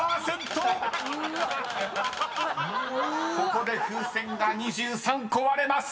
［ここで風船が２３個割れます］